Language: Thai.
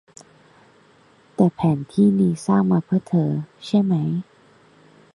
แต่แผนที่นี้สร้างมาเพื่อเธอ ใช่มั้ย